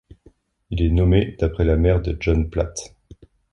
Il est nommé d'après la mère de John Platt.